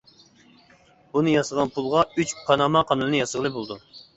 بۇنى ياسىغان پۇل ئۈچ پاناما قانىلىنى ياسىغىلى بولىدۇ.